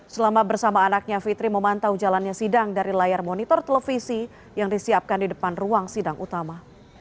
selama bersama anaknya fitri memantau jalannya sidang dari layar monitor televisi yang disiapkan di depan ruang sidang utama